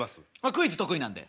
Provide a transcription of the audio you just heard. クイズ得意なんで。